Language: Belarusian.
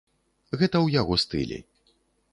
Гэта ў яго стылі.